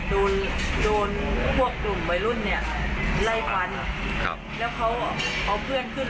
โดนโดนพวกกลุ่มวัยรุ่นเนี่ยไล่ฟันครับแล้วเขาเอาเพื่อนขึ้น